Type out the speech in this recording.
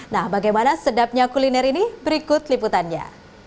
nah bagaimana sedapnya kuliner ini berikut liputannya